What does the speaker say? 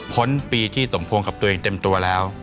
ปีที่สมพงษ์กับตัวเองเต็มตัวแล้ว